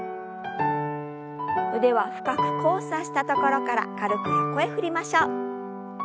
腕は深く交差したところから軽く横へ振りましょう。